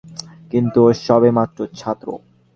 কিন্তু ও সবে মাত্র ছাত্র।